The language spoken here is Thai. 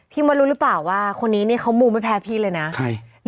พี่มศรู้รึเปล่าว่าคนนี้เนี้ยเขามูไม่แพ้พี่เลยน่ะใคร